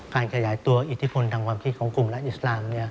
ขยายตัวอิทธิพลทางความคิดของกลุ่มรัฐอิสลาม